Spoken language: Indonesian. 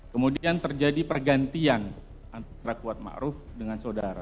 kemudian terjadi pergantian antara km dengan saudara